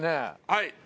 はい。